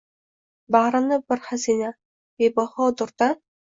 Bag’ri bir xazina — bebaho durdan